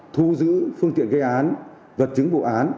thu giữ phương tiện gây án vật chứng vụ án